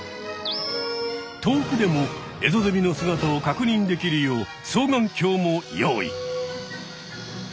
遠くでもエゾゼミの姿をかくにんできるよう双眼鏡も用意。